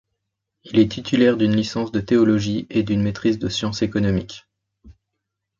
Il est titulaire d'une licence de théologie et d'une maîtrise de sciences économiques.